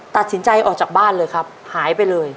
ตัดสินใจออกจากบ้านเลยครับหายไปเลย